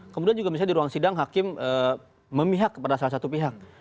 kemudian juga misalnya di ruang sidang hakim memihak kepada salah satu pihak